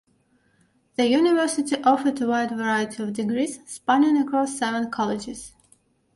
The university offered a wide variety of degrees spanning across seven colleges.